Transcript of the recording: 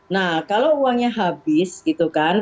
nah kalau uangnya habis gitu kan